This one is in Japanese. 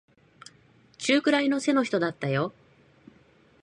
中くらいの背の人だったよ。